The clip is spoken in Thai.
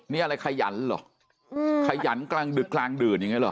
นี่อะไรขยันเหรอขยันกลางดึกกลางดื่นอย่างนี้หรอ